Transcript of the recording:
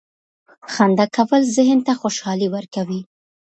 • خندا کول ذهن ته خوشحالي ورکوي.